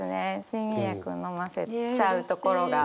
睡眠薬をのませちゃうところが。